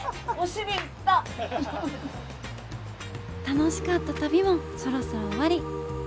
楽しかった旅もそろそろ終わり。